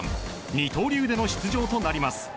二刀流での出場となります。